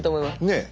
ねえ。